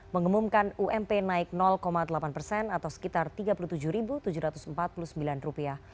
mengumumkan ump naik delapan persen atau sekitar tiga puluh tujuh tujuh ratus empat puluh sembilan rupiah